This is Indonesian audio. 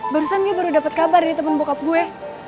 barusan gue baru dapet kabar dari temen bokap gue